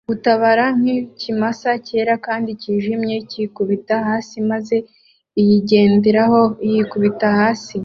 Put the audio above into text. gutabara nk'ikimasa cyera kandi cyijimye cyikubita hasi maze uyigenderaho yikubita hasi.